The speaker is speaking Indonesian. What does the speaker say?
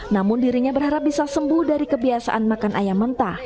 namun dirinya berharap bisa sembuh dari kebiasaan makan ayam mentah